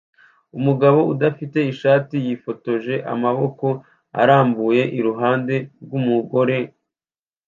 Umugabo udafite ishati yifotoje amaboko arambuye iruhande rwumugore